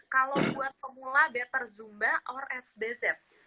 kalau buat pemula better zumba ore sdz